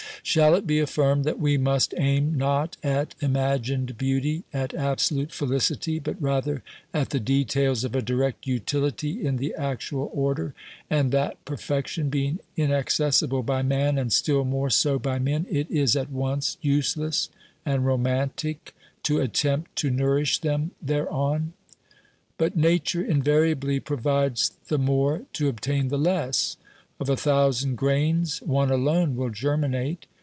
Shall it be affirmed that we must aim not at imagined beauty, at absolute felicity, but rather at the details of a direct utility in the actual order, and that per fection being inaccessible by man, and still more so by men, it is at once useless and romantic to attempt to nourish them thereon? But Nature invariably pro vides the more to obtain the less. Of a thousand grains, one alone will germinate.